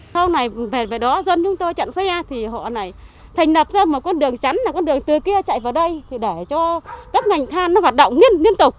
sau này về với đó dân chúng tôi chặn xe thì họ lại thành lập ra một con đường chắn là con đường từ kia chạy vào đây thì để cho các ngành than nó hoạt động liên tục